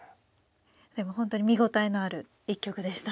でも本当に見応えのある一局でした。